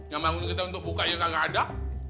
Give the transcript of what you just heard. yang bangun kita untuk buka kita nggak ada